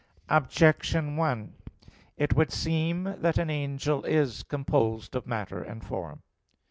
Objection 1: It would seem that an angel is composed of matter and form.